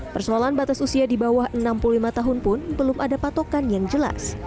persoalan batas usia di bawah enam puluh lima tahun pun belum ada patokan yang jelas